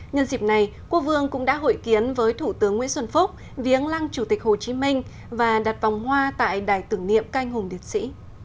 nhân dịp này quốc vương cũng đã hội kiến với thủ tướng nguyễn xuân phúc viếng lăng chủ tịch hồ chí minh và đặt vòng hoa tại đài tưởng niệm canh hùng liệt sĩ